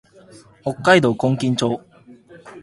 北海道今金町